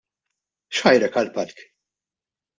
X'ħajrek għall-palk?